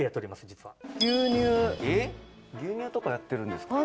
実はえっ牛乳とかやってるんですか